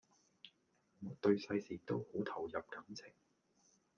對世事都好投入感情⠀